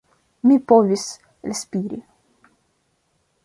Mi povis elspiri.